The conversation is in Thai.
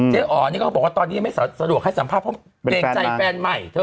เจ๊อ๋อนี่เขาบอกว่าตอนนี้ไม่สะดวกให้สัมภาพเพราะเปลี่ยนใจแฟนใหม่